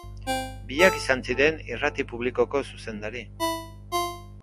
Biak izan ziren irrati publikoko zuzendari.